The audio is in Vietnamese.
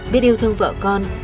biết yêu thương vợ con